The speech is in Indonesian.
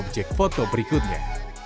sekali lagi ya